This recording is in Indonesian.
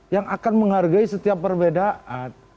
yang akan menghargai setiap perbedaan